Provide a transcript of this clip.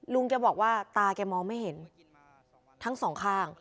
ลุงแกบอกว่าตาแกมองไม่เห็นทั้งสองข้าง